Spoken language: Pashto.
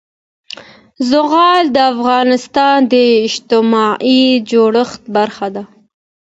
زغال د افغانستان د اجتماعي جوړښت برخه ده.